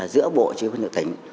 giữa bộ chỉ huyện nguyễn tỉnh